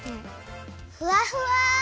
ふわふわ！